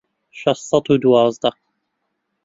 شەش سەد و دوازدە